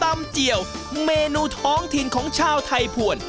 เมนูท้องถิ่นของชาวไทยภวร